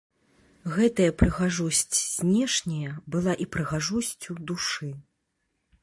Гэтая прыгажосць знешняя была і прыгажосцю душы.